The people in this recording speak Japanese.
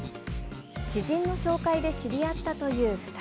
知人の紹介で知り合ったという２人。